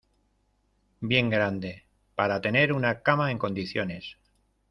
bien grande, para tener una cama en condiciones